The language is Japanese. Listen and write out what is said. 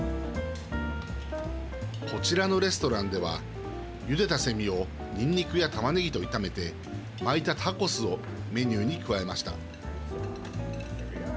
こちらのレストランではゆでたセミをにんにくや玉ねぎと炒めて巻いたタコスをメニューに加えました。